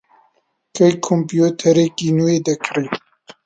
کەی کۆمپیوتەرێکی نوێ دەکڕیت؟